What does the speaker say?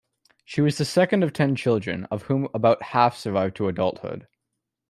She was the second of ten children, of whom about half survived to adulthood.